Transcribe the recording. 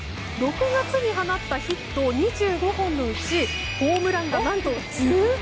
６月に放ったヒット２５本のうちホームランが何と１３本。